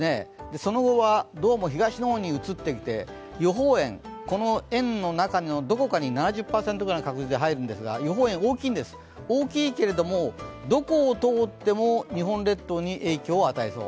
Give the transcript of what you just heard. その後はどうも東の方に移ってきて、予報円、この円の中のどこかに７０％くらいの確率で入るんですが、予報円が大きいけれども、どこを通っても日本列島に影響を与えそう。